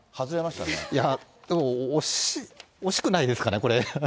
いや、でも、惜しくないですかね、これ。